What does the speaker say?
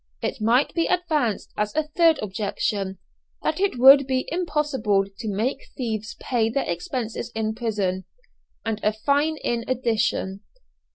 It might be advanced as a third objection, that it would be impossible to make thieves pay their expenses in prison, and a fine in addition.